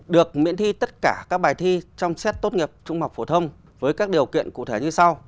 được miễn thi tất cả các bài thi trong xét tốt nghiệp trung học phổ thông với các điều kiện cụ thể như sau